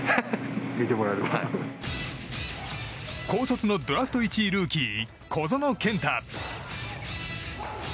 高卒のドラフト１位ルーキー小園健太。